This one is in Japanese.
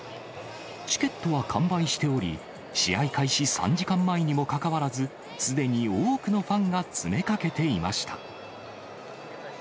チケットは完売しており、試合開始３時間前にもかかわらず、すでに多くのファンが詰めかけていました。